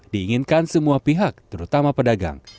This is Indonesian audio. diinginkan semua pihak terutama pedagang